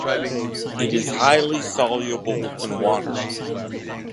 It is highly soluble in water.